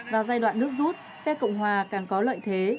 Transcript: vào giai đoạn nước rút phe cộng hòa càng có lợi thế